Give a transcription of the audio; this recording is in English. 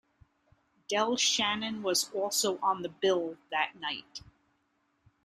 Del Shannon was also on the bill that night.